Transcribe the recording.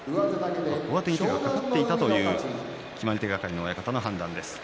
上手に手が掛かっていたという決まり手係の親方の判断です。